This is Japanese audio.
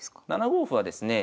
７五歩はですね